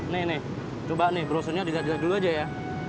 nih nih coba nih brosurnya dilihat dilihat dulu aja ya